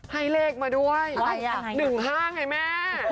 ให้เลขมาด้วย๑ข้างให้แม่